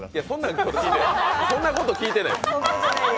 そんなこと聞いてない。